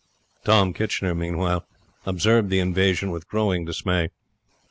Tom Kitchener, meanwhile, observed the invasion with growing dismay.